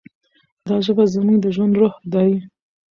دا ژبه زموږ د ژوند روح دی.